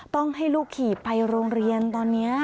ต้องให้ลูกขี่ไปโรงเรียนตอนนี้